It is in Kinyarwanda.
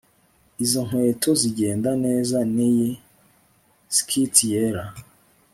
Izo nkweto zigenda neza niyi skirt yera